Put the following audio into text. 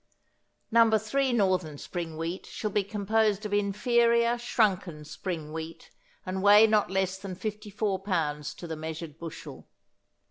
No. 3 Northern Spring Wheat shall be composed of inferior shrunken spring wheat, and weigh not less than 54 pounds to the measured bushel.